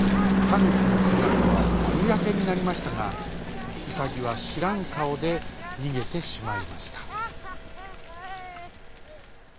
タヌキのせなかはまるやけになりましたがウサギはしらんかおでにげてしまいました。